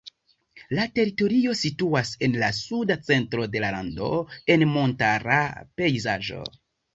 La teritorio situas en la suda centro de la lando, en montara pejzaĝo.